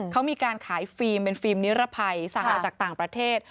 เขามีการขายฟิล์มเป็นฟิล์มนิรภัยสั่งมาจากต่างประเทศ